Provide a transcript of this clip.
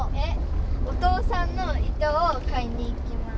お父さんの糸を買いに行きます。